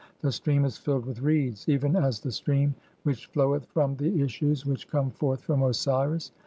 The stream is filled with 'reeds, even as the stream (7) which floweth from the issues 'which come forth from Osiris.